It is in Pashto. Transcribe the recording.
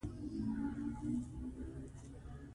ازادي راډیو د د ماشومانو حقونه د مثبتو اړخونو یادونه کړې.